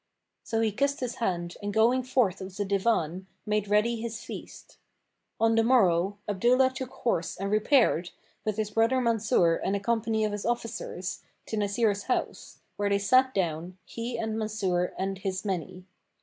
So he kissed his hand and going forth of the Divan, made ready his feast. On the morrow, Abdullah took horse and repaired, with his brother Mansur and a company of his officers, to Nasir's house, where they sat down, he and Mansur and his many.